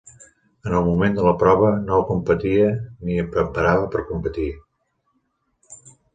En el moment de la prova, no competia ni em preparava per competir.